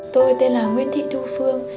tôi tên là nguyễn thị thu phương